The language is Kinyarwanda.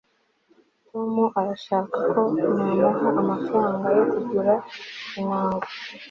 tom arashaka ko namuha amafaranga yo kugura inanga